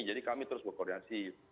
jadi kami terus berkoordinasi